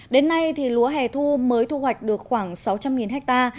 đến nay lúa hè thu mới thu hoạch được khoảng sáu trăm linh ha